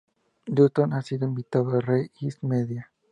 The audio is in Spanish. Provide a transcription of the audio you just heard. Dutton ha sido invitado a Red Ice Media.